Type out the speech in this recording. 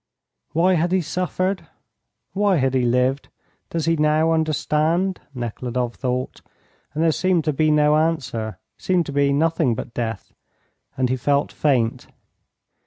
"Why had he suffered? Why had he lived? Does he now understand?" Nekhludoff thought, and there seemed to be no answer, seemed to be nothing but death, and he felt faint.